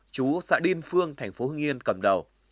chú xã điên phương thành phố hưng yên cầm đầu